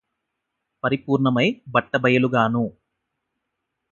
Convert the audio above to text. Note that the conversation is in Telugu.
పరిపూర్ణమై బట్టబయలుగాను